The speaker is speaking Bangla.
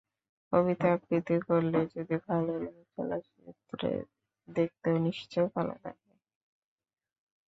কবিতা আবৃত্তি করলে যদি ভালো লাগে, চলচ্চিত্রে দেখতেও নিশ্চয়ই ভালো লাগবে।